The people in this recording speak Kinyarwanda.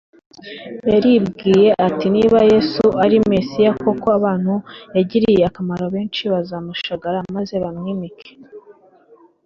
yaribwiye ati, niba yesu ari mesiya koko, abantu yagiriye akamaro kenshi bazamushagara maze bamwimike